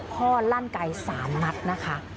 ข้อลั่นไกลสานมัดนะคะ